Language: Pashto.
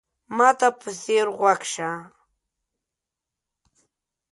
ما ته په ځیر غوږ شه !